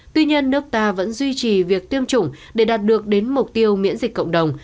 tuy nhiên nước ta vẫn duy trì việc tiêm chủng để đạt được đến mục tiêu miễn dịch cộng đồng